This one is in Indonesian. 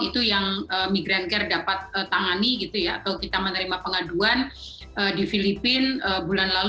itu yang migrancare dapat tangani gitu ya atau kita menerima pengaduan di filipina bulan lalu